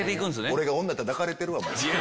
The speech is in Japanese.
俺が女やったら抱かれてるわ。